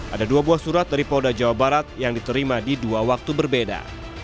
ada dua buah surat dari polda jawa barat yang diterima di dua waktu berbeda